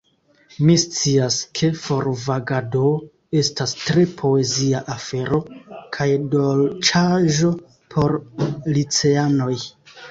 Mi scias, ke forvagado estas tre poezia afero kaj dolĉaĵo por liceanoj.